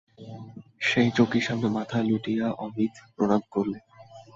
সেই চৌকির সামনে মাথা লুটিয়ে অমিত প্রণাম করলে।